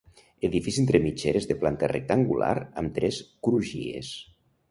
Edifici entre mitgeres de planta rectangular amb tres crugies.